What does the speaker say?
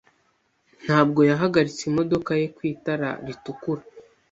Ntabwo yahagaritse imodoka ye ku itara ritukura.